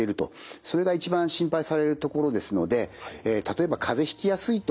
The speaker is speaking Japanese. それが一番心配されるところですので例えばかぜひきやすいと。